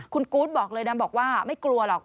คุณกู๊ดบอกเลยนะบอกว่าไม่กลัวหรอก